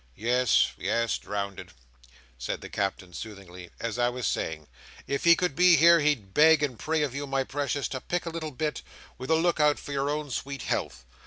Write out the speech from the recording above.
"Yes, yes; drownded," said the Captain, soothingly; "as I was saying, if he could be here he'd beg and pray of you, my precious, to pick a leetle bit, with a look out for your own sweet health.